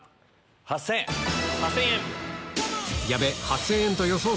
８０００円。